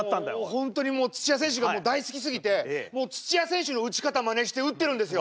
本当に土谷選手が大好きすぎてもう土谷選手の打ち方まねして打ってるんですよ。